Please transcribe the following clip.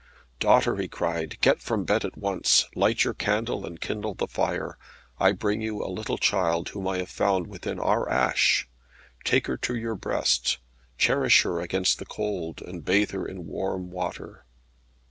"Daughter," he cried, "get from bed at once; light your candle, and kindle the fire. I bring you a little child, whom I have found within our ash. Take her to your breast; cherish her against the cold, and bathe her in warm water."